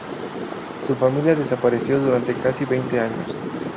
Su familia desapareció durante casi veinte años.